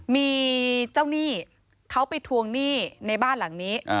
มีเจ้าหนี้เขาไปทวงหนี้ในบ้านหลังนี้